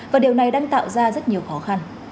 và điều này đang tạo ra rất nhiều khó khăn